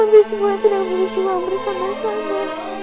kami semua sudah berjuang bersama sama